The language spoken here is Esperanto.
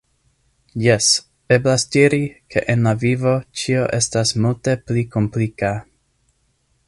Jes, eblas diri, ke en la vivo ĉio estas multe pli komplika.